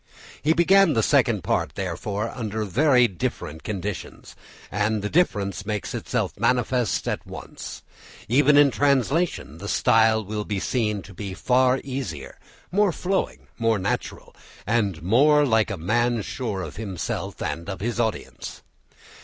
He began the Second Part, therefore, under very different conditions, and the difference makes itself manifest at once. Even in translation the style will be seen to be far easier, more flowing, more natural, and more like that of a man sure of himself and of his audience.